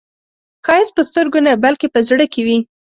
ښایست په سترګو نه، بلکې په زړه کې وي